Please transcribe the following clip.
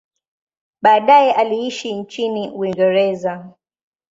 Baadaye aliishi nchini Uingereza.